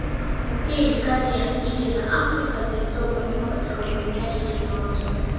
Hii ni kati ya nchi za Afrika zilizoko nyuma katika utumiaji wa teknolojia